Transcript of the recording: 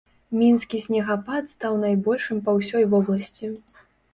Мінскі снегапад стаў найбольшым па ўсёй вобласці.